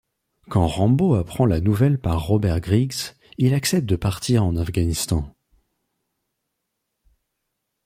Quand Rambo apprend la nouvelle par Robert Griggs, il accepte de partir en Afghanistan.